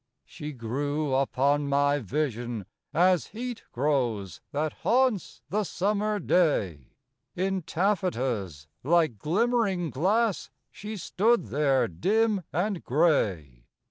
She grew upon my vision as Heat grows that haunts the summer day; In taffetas, like glimmering glass, She stood there dim and gray.